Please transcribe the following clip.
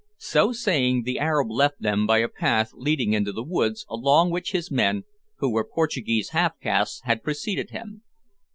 So saying, the Arab left them by a path leading into the woods, along which his men, who were Portuguese half castes, had preceded him.